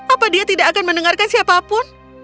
apa dia tidak akan mendengarkan siapapun